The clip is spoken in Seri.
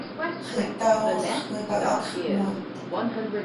Xiica oosx coi pac hacx cömooit.